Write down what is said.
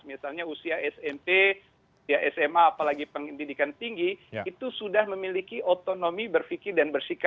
misalnya usia smp usia sma apalagi pendidikan tinggi itu sudah memiliki otonomi berpikir dan bersikap